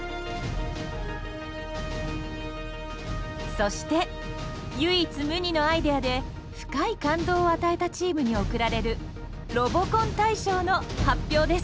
そして唯一無二のアイデアで深い感動を与えたチームに贈られるロボコン大賞の発表です。